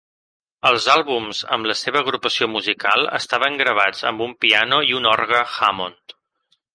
Els àlbums amb la seva agrupació musical estaven gravats amb un piano i un òrgan Hammond.